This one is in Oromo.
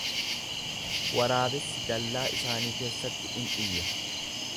Waraabessi dallaa isaanii keessatti in iyya.